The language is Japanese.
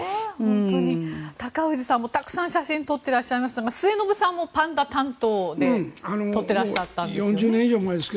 高氏さんもたくさん写真を撮っていらっしゃいましたが末延さんもパンダ担当で撮ってらっしゃったんですよね。